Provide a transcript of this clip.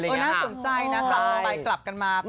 น่าสนใจนะครับ